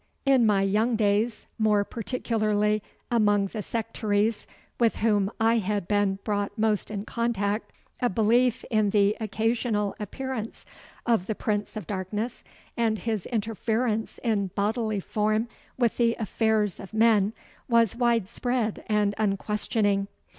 In my young days, more particularly among the sectaries with whom I had been brought most in contact, a belief in the occasional appearance of the Prince of Darkness, and his interference in bodily form with the affairs of men, was widespread and unquestioning.